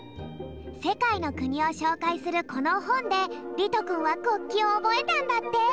せかいの国をしょうかいするこのほんでりとくんは国旗をおぼえたんだって。